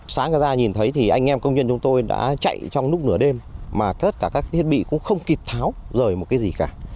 xã gaza nhìn thấy thì anh em công nhân chúng tôi đã chạy trong lúc nửa đêm mà tất cả các thiết bị cũng không kịp tháo rời một cái gì cả